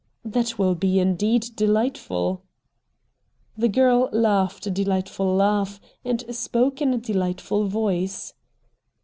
' That will be indeed dehghtful.' The girl laughed a delightful laugh, and spoke in a delightful voice.